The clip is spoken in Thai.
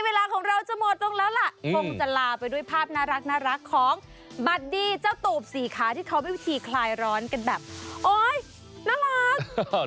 เวลาของเราจะหมดลงแล้วล่ะคงจะลาไปด้วยภาพน่ารักของบัดดี้เจ้าตูบสี่ขาที่เขามีวิธีคลายร้อนกันแบบโอ๊ยน่ารัก